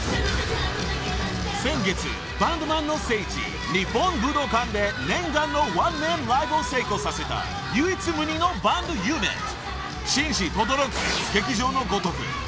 ［先月バンドマンの聖地日本武道館で念願のワンマンライブを成功させた唯一無二のバンドユニット神使轟く、激情の如く。］